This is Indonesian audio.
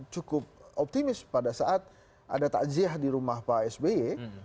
cukup optimis pada saat ada takziah di rumah pak sby